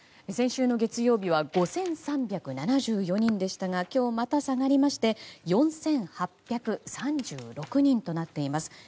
先週の月曜日は５３７４人でしたが今日また下がりまして４８３６人となっています。